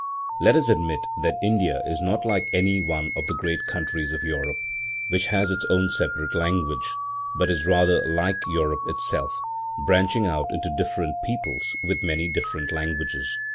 Let us admit that India is not like any one of the great countries of Europe, which has its own separate language; but is rather like Europe herself, branching out into different peoples with many different languages.